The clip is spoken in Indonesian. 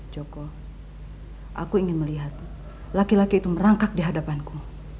joko aku ingin melihat laki laki itu merangkak di hadapanku